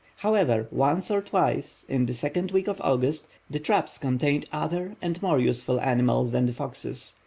However, once or twice in the second week in August, the traps contained other and more useful animals than the foxes.